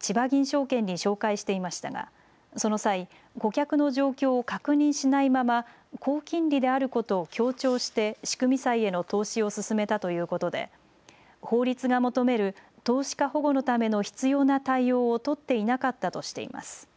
証券に紹介していましたが、その際、顧客の状況を確認しないまま高金利であることを強調して仕組み債への投資を勧めたということで法律が求める投資家保護のための必要な対応を取っていなかったとしています。